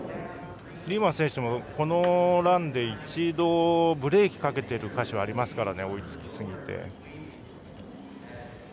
リーマン選手もこのランで一度ブレーキをかけている箇所がありますからね、追いつきすぎて。